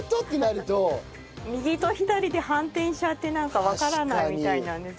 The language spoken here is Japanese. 右と左で反転しちゃってなんかわからないみたいなんです。